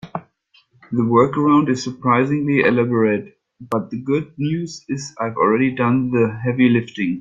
The workaround is surprisingly elaborate, but the good news is I've already done the heavy lifting.